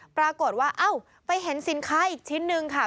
ปรากฏว่าเอ้าไปเห็นสินค้าอีกชิ้นนึงค่ะ